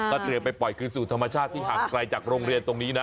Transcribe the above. เตรียมไปปล่อยคืนสู่ธรรมชาติที่ห่างไกลจากโรงเรียนตรงนี้นะ